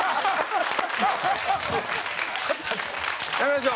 ちょっと待ってやめましょう。